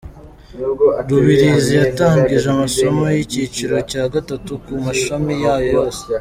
Rubirizi yatangije amasomo y’icyiciro cya gatatu ku mashami yayo yose